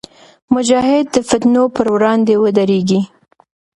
مجاهد د فتنو پر وړاندې ودریږي.